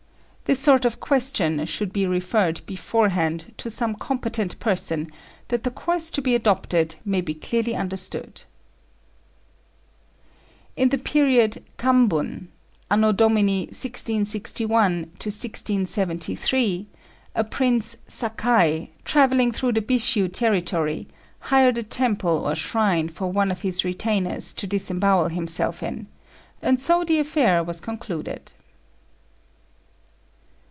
This sort of question should be referred beforehand to some competent person, that the course to be adopted may be clearly understood. In the period Kambun (A.D. 1661 1673) a Prince Sakai, travelling through the Bishiu territory, hired a temple or shrine for one of his retainers to disembowel himself in; and so the affair was concluded.